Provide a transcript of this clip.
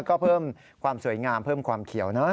ก็เพิ่มความสวยงามเพิ่มความเขียวนะ